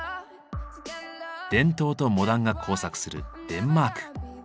伝統とモダンが交錯するデンマーク。